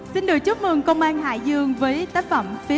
xin được chúc mừng công an hải dương với tác phẩm lưỡi dao oan nhiệt